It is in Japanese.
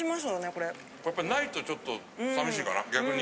これないとちょっと寂しいかな逆に。